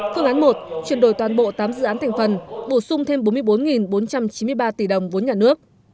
phương án một chuyển đổi toàn bộ tám dự án thành phần bổ sung thêm bốn mươi bốn bốn trăm chín mươi ba tỷ đồng vốn nhà nước